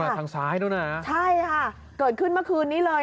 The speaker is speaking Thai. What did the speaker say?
พอมาเจอกันเนี่ย